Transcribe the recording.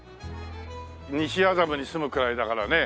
西麻布に住むくらいだからねえ。